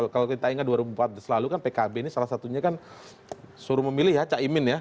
kalau kita ingat dua ribu empat selalu kan pkb ini salah satunya kan suruh memilih ya cakimin ya